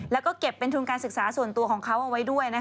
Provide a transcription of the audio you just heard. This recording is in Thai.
แล้วก็เก็บเป็นทุนการศึกษาส่วนตัวของเขาเอาไว้ด้วย